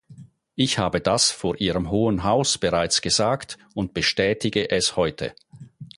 Ich habe das vor Ihrem Hohen Haus bereits gesagt und bestätige es heute.